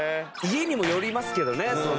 家にもよりますけどね。